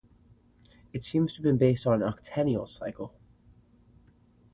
It seems to have been based on an octennial cycle.